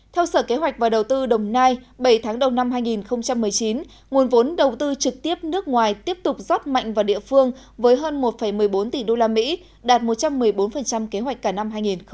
theo sở kế hoạch và đầu tư đồng nai bảy tháng đầu năm hai nghìn một mươi chín nguồn vốn đầu tư trực tiếp nước ngoài tiếp tục rót mạnh vào địa phương với hơn một một mươi bốn tỷ usd đạt một trăm một mươi bốn kế hoạch cả năm hai nghìn hai mươi